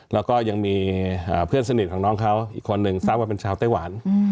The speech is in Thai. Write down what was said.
แล้วก็ยังมีเพื่อนสนิทของน้องเขาอีกคนนึงทราบว่าเป็นชาวไต้หวัน